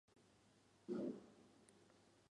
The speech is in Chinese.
细齿崖爬藤为葡萄科崖爬藤属的植物。